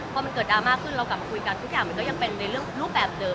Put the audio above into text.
พอมันเกิดดราม่าขึ้นเรากลับมาคุยกันทุกอย่างมันก็ยังเป็นในรูปแบบเดิม